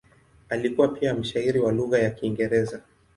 Alikuwa pia mshairi wa lugha ya Kiingereza.